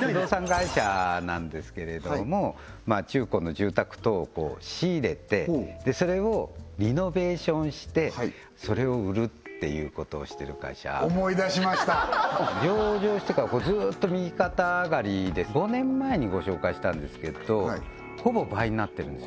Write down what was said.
不動産会社なんですけれども中古の住宅等を仕入れてそれをリノベーションしてそれを売るっていうことをしてる会社思い出しました上場してからずっと右肩上がりで５年前にご紹介したんですけどほぼ倍になってるんですよ